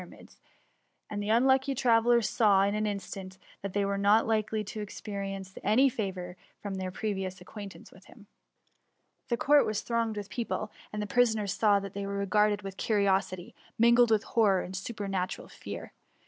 ra* mids ; and the unlucky travellers saw, in an in stant, that they were not likely to experience 2S8 TKE uvuuy; any favour from their prerioas acquttsrfiaQee with him. The court was tbiooged with pec^le, and the prisoners saw that they were r^arded with curiosity, mingled with horror and super natural fear.